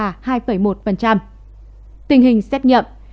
tình hình xét nghiệm